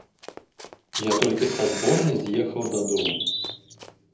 Я толькі са зборнай з'ехаў дадому.